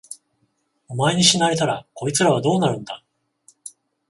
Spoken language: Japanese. お前に死なれたら、こいつらはどうなるんだ。